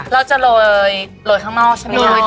เราจะลอยลอยข้างนอกใช่ไหม